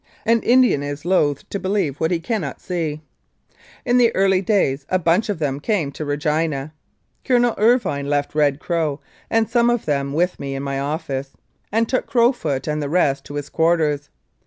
An Indian is loath to believe what he G 89 Mounted Police Life in Canada cannot see. In the early days a bunch of them came to Regina. Colonel Irvine left Red Crow and some of them with me in my office, and took Crowfoot and the rest to his quarters.